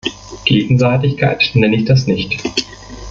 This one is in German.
Gegenseitigkeit nenne ich das nicht.